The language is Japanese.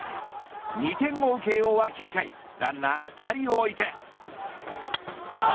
２点を追う慶応は９回ランナー２人を置いて。